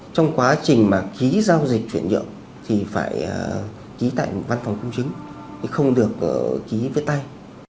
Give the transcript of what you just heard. trong quá trình mà ký giao dịch chuyển nhượng thì phải ký tại văn phòng công chứng thì không được ký với tay